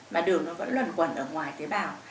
mà đường nó vẫn luẩn quẩn ở ngoài tế bào